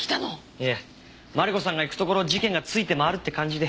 いえマリコさんが行くところ事件が付いて回るって感じで。